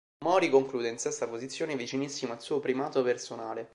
Mori conclude in sesta posizione, vicinissimo al suo primato personale.